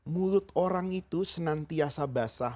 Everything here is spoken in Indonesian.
mulut orang itu senantiasa basah